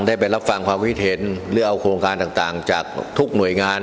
ไปรับฟังความคิดเห็นหรือเอาโครงการต่างจากทุกหน่วยงาน